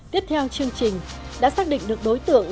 tiếp theo chương trình đã xác định được đối tượng